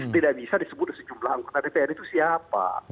tidak bisa disebut sejumlah anggota dpr itu siapa